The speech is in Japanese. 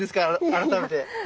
改めて。